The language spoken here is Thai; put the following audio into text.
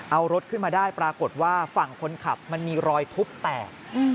เอารถขึ้นมาได้ปรากฏว่าฝั่งคนขับมันมีรอยทุบแตก